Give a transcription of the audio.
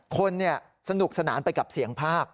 คนสนุกสนานไปกับเสียงภาค